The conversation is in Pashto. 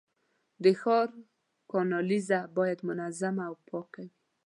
د ښار کانالیزه باید منظمه او پاکه وي.